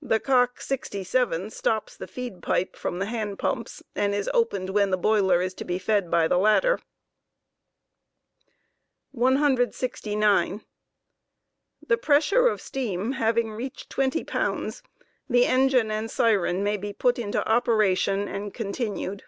The cock 67 stops the feed pipe from the hand pumps, and is opened when the boiler is to be fed by the latter. 169. The pressure of steam having reached twenty pounds, the engine and siren Btarttog. may be put into operation and continued.